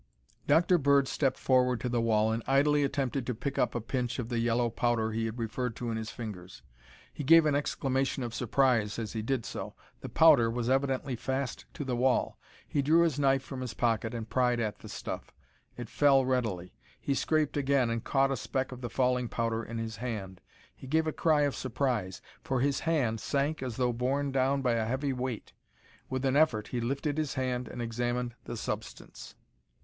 Dr. Bird stepped forward to the wall and idly attempted to pick up a pinch of the yellow powder he had referred to in his fingers. He gave an exclamation of surprise as he did so. The powder was evidently fast to the wall. He drew his knife from his pocket and pried at the stuff. It fell readily. He scraped again and caught a speck of the falling powder in his hand. He gave a cry of surprise, for his hand sank as though borne down by a heavy weight. With an effort he lifted his hand and examined the substance.